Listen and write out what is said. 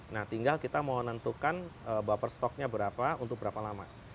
nah tinggal kita mau menentukan baper stoknya berapa untuk berapa lama